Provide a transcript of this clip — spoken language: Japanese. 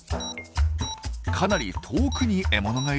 かなり遠くに獲物がいるようです。